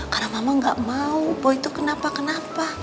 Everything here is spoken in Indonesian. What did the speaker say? karena mama nggak mau boy tuh kenapa kenapa